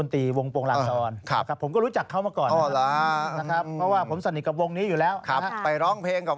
ไปร้องเพลงกับวงเขาเนี่ยมั่นมั่นพูดอยู่แล้วนะครับ